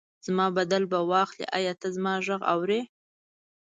زما بدل به واخلي، ایا ته زما غږ اورې؟